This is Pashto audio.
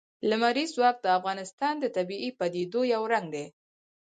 لمریز ځواک د افغانستان د طبیعي پدیدو یو رنګ دی.